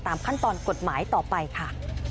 ขั้นตอนกฎหมายต่อไปค่ะ